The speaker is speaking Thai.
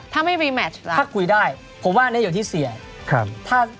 ถ้าไม่รีแมชนะ